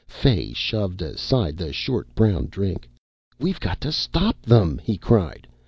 Fay shoved aside the short brown drink. "We've got to stop them," he cried.